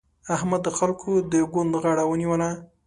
احمد د خلګو د ګوند غاړه ونيوله.